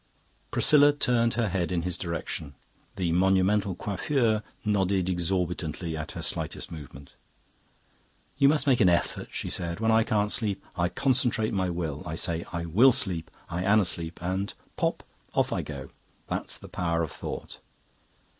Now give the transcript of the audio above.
Priscilla turned her head in his direction; the monumental coiffure nodded exorbitantly at her slightest movement. "You must make an effort," she said. "When I can't sleep, I concentrate my will: I say, 'I will sleep, I am asleep!' And pop! off I go. That's the power of thought."